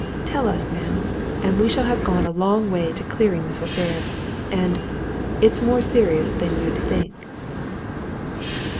Tell us, ma'am and we shall have gone a long way to clearing this affair! And it's more serious than you'd think."